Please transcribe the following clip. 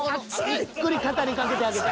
ゆっくり肩にかけてあげて。